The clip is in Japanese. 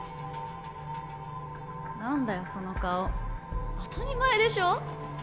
なんだよその顔当たり前でしょ？